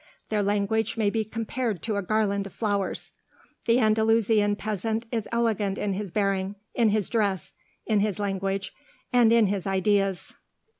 Their language may be compared to a garland of flowers. The Andalusian peasant is elegant in his bearing, in his dress, in his language, and in his ideas."